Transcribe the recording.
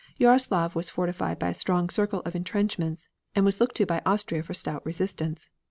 Jaroslav was fortified by a strong circle of intrenchments and was looked to by Austria for stout resistance.